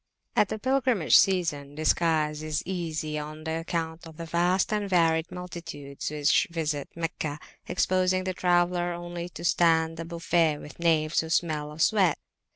At the pilgrimage season disguise is easy on account of the vast and varied multitudes which visit Meccah exposing the traveller only to stand the buffet with knaves who smell of sweat.